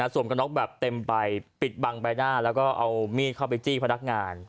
กระน็อกแบบเต็มใบปิดบังใบหน้าแล้วก็เอามีดเข้าไปจี้พนักงาน